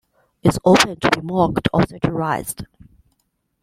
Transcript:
It's open to be mocked or satirized.